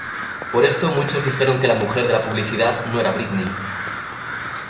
Por esto, muchos dijeron que la mujer de la publicidad no era Britney.